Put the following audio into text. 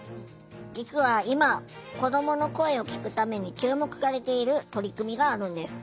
実は今子どもの声を聴くために注目されている取り組みがあるんです。